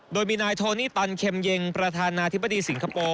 โดยมีนายโทนี่ตันเม็มเย็งประธานาธิบดีสิงคโปร์